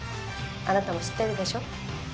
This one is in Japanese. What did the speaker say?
あなたも知ってるでしょ？